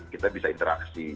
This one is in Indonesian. kita bisa interaksi